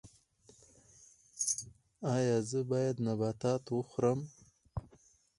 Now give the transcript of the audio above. ایا زه باید نبات وخورم؟